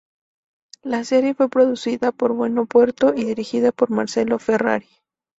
La serie fue producida por Buen Puerto y dirigida por Marcelo Ferrari.